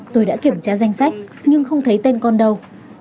tôi đã kiểm tra danh sách nhưng không thấy tên con đâu